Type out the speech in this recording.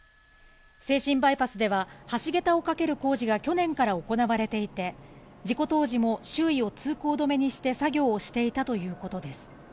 静清バイパスでは橋桁を架ける工事が去年から行われていて、事故当時も周囲を通行止めにして作業をしていたということです。